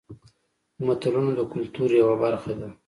متلونه د کولتور یوه برخه ده